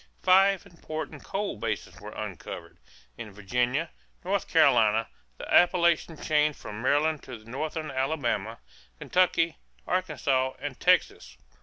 Five important coal basins were uncovered: in Virginia, North Carolina, the Appalachian chain from Maryland to Northern Alabama, Kentucky, Arkansas, and Texas.